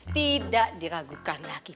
tidak diragukan lagi